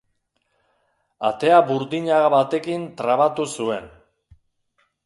Atea burdin haga batekin trabatu zuen.